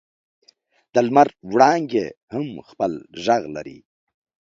د لمر وړانګې هم خپل ږغ لري.